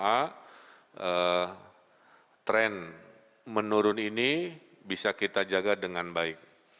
karena tren menurun ini bisa kita jaga dengan baik